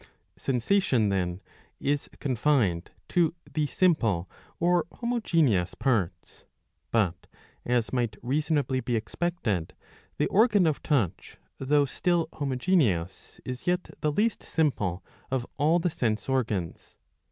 '^ Sensation then is confined to the simple or homogeneous parts. But, as might reasonably be expected, the organ of touch, though still homogeneous, is yet the least simple of all the sense organs.